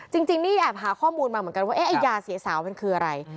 จริงนี่แอบหาข้อมูลมาเหมือนกันว่าไอ้ยาเสียสาวมันคืออะไร